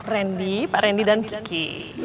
rendy pak rendy dan kiki